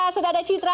sudah ada citra